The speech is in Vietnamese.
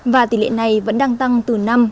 và tỷ lệ này vẫn đang tăng từ năm đến một mươi mỗi năm